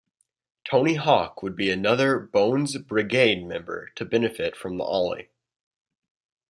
Tony Hawk would be another Bones Brigade member to benefit from the ollie.